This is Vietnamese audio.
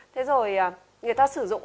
thế rồi người ta sử dụng